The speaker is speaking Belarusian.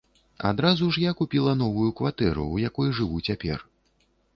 Адразу ж я купіла новую кватэру, у якой жыву цяпер.